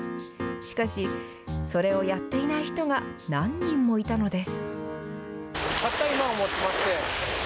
しかし、それをやっていない人が何人もいたのです。